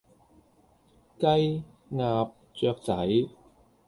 雞鴨雀仔